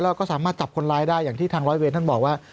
แล้วก็สามารถจับคนร้ายได้อย่างที่ทางร้อยเวรท่านบอกว่า